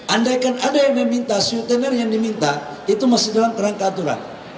andaikan ada yang meminta suitener yang diminta itu masih dalam terang keaturan